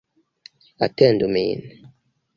Atendu min.